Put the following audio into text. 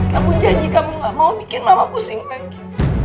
kamu janji kamu gak mau bikin lama pusing lagi